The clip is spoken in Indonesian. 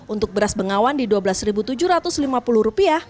untuk beras bengawan di rp dua belas tujuh ratus lima puluh